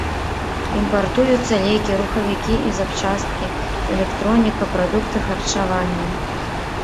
Імпартуюцца лекі, рухавікі і запчасткі, электроніка, прадукты харчавання.